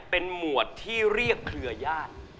เป็นหมวดที่เรียกเหลือย่าง